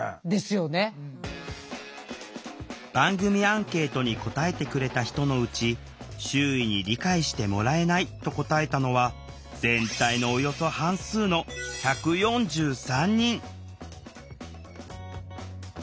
番組アンケートに答えてくれた人のうち「周囲に理解してもらえない」と答えたのは全体のおよそ半数の１４３人。